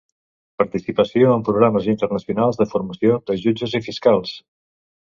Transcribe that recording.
Participació en programes internacionals de formació de jutges i fiscals.